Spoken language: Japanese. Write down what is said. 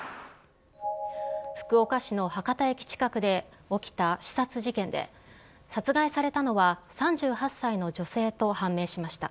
福岡市の博多駅近くで起きた刺殺事件で、殺害されたのは、３８歳の女性と判明しました。